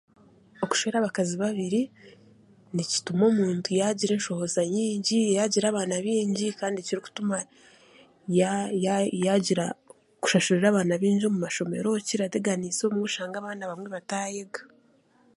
Okushweera abakaazi babiri nikituma omuntu yaagira enshohoza nyingi, yaagira abaana baingi kandi kirikutuma yaagira kushashurira abaana baingi omu mashomero kirateganiisa oshange abaana abamwe bataayeega.